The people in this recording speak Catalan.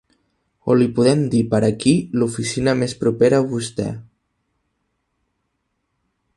O li podem dir per aquí l'oficina més propera a vostè.